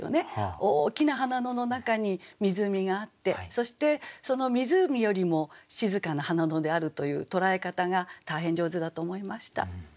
大きな花野の中に湖があってそしてその湖よりも静かな花野であるという捉え方が大変上手だと思いました。